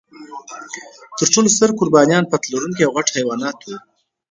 تر ټولو ستر قربانیان پت لرونکي او غټ حیوانات و.